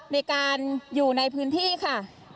ในการอยู่ในพื้นที่ค่ะ